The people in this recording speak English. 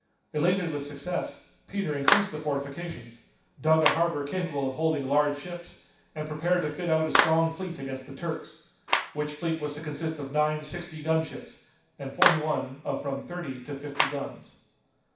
Elated with success Peter increased the fortifications, dug a harbor capable of holding large ships, and prepared to fit out a strong fleet against the Turks; which fleet was to consist of nine sixty gun ships, and forty one of from thirty to fifty guns.